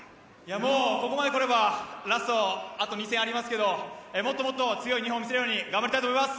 ここまでくればラスト、あと２戦ありますけどもっともっと強い日本を見せられるように頑張りたいと思います。